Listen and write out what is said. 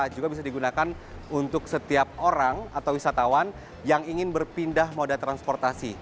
juga bisa digunakan untuk setiap orang atau wisatawan yang ingin berpindah moda transportasi